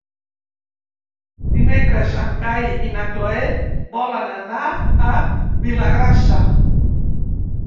Dimecres en Cai i na Cloè volen anar a Vilagrassa.